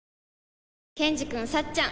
ケンジくんさっちゃん